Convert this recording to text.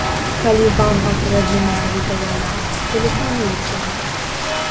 Калі вам патрэбна менавіта яна, тэлефануйце!